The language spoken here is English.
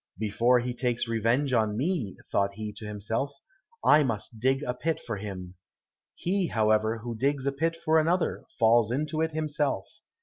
"Before he takes revenge on me," thought he to himself, "I must dig a pit for him." He, however, who digs a pit for another, falls into it himself.